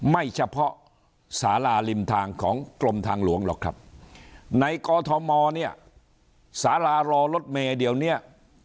ไม่เฉพาะสาราริมทางของกรมทางหลวงหรอกครับในกอทมเนี่ยสารารอรถเมย์เดี๋ยวเนี้ย